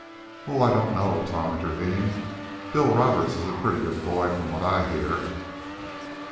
"Oh, I don't know," Tom intervened. "Bill Roberts is a pretty good boy from what I hear."